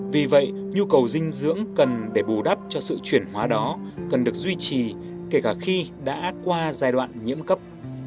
vì vậy nhu cầu dinh dưỡng cần để bù đắp cho sự chuyển hóa đó cần được duy trì kể cả khi đã qua giai đoạn nhiễm cấp